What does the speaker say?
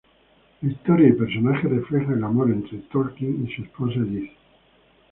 La historia y personajes reflejan el amor entre Tolkien y su esposa Edith.